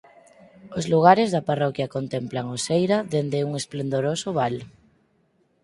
Os lugares da parroquia contemplan Oseira dende un esplendoroso val.